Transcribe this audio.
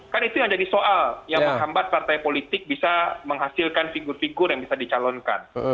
kan itu yang jadi soal yang menghambat partai politik bisa menghasilkan figur figur yang bisa dicalonkan